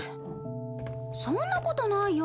そんな事ないよ。